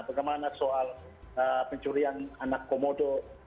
bagaimana soal pencurian anak komodo